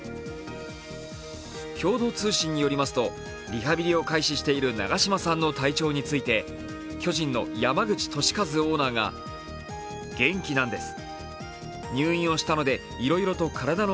共同通信によりますと、リハビリを開始している長嶋さんの体調について巨人の山口寿一オーナーがと語ったといいます。